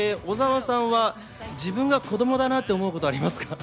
ちなみに小澤さんは自分が子供だなぁと思うことありますか？